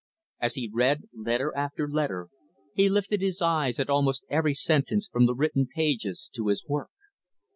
As he read letter after letter, he lifted his eyes, at almost every sentence from the written pages to his work.